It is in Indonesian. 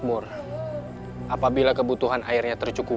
boleh saya bantu